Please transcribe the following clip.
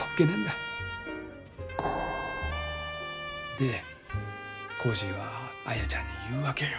でコージーはアヤちゃんに言うわけよ。